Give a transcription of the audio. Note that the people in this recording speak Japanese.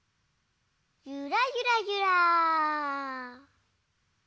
ゆらゆらゆら。